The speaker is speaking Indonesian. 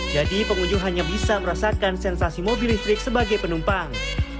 jadi pengunjung hanya bisa merasakan sensasi mobil listrik sebagai penumpang